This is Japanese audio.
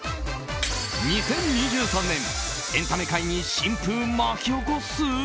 ２０２３年エンタメ界に新風巻き起こす？